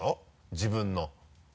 自分の。